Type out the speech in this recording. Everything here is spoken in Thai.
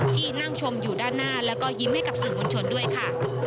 ที่นั่งชมอยู่ด้านหน้าแล้วก็ยิ้มให้กับสื่อมวลชนด้วยค่ะ